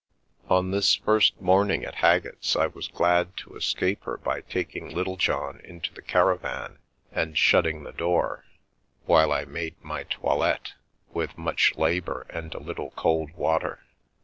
On this first morning at Haggett's I was glad to escape her by taking Littlejohn into the caravan and shutting the door, while I made my toilette with much labour and a little cold water.